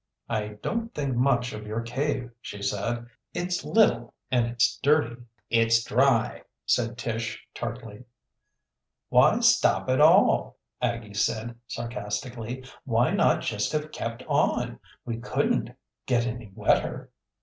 "I don't think much of your cave," she said. "It's little and it's dirty." "It's dry!" said Tish tartly. "Why stop at all?" Aggie asked sarcastically. "Why not just have kept on? We couldn't get any wetter."